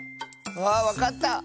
あわかった！